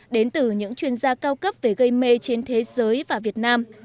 đến từ những chuyên gia cao cấp về gây mê trên thế giới và việt nam